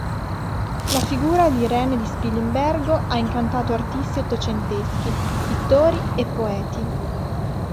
La figura di Irene di Spilimbergo ha incantato artisti ottocenteschi, pittori e poeti.